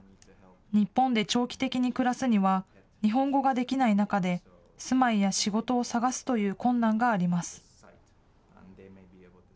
日本で長期的に暮らすには日本語ができない中で住まいや仕事を探すという困難があります。